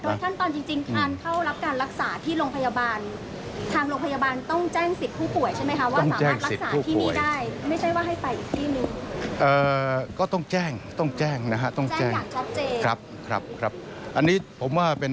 แต่โทษท่านตอนจริงท่านเข้ารับการรักษาที่โรงพยาบาล